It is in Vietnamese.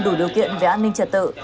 đủ điều kiện về an ninh trật tự